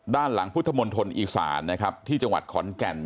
ด้านหลังพุทธมณฑลอีสานนะครับที่จังหวัดขอนแก่น